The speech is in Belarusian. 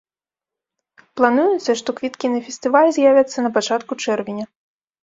Плануецца, што квіткі на фестываль з'явяцца на пачатку чэрвеня.